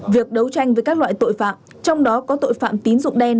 việc đấu tranh với các loại tội phạm trong đó có tội phạm tín dụng đen